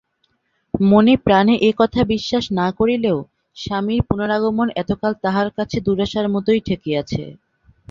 মনে-প্রাণে একথা বিশ্বাস না করিলেও স্বামীর পুনরাগমন এতকাল তাহার কাছে দুরাশার মতই ঠেকিয়াছে।